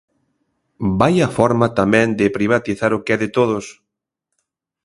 ¡Vaia forma tamén de privatizar o que é de todos!